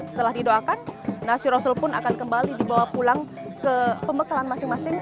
setelah didoakan nasi rasul pun akan kembali dibawa pulang ke pembekalan masing masing